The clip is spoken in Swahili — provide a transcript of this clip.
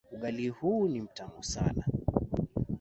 Ugali huu ni mtamu sana.